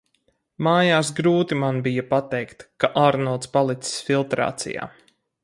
Mājās grūti man bija pateikt, ka Arnolds palicis filtrācijā.